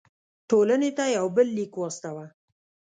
ټولنې ته یو بل لیک واستاوه.